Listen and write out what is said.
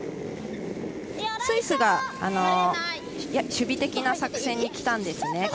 スイスが守備的な作戦にきたんですね。